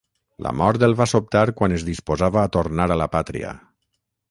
La mort el va sobtar quan es disposava a tornar a la pàtria.